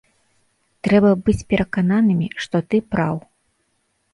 Трэба быць перакананымі, што ты праў.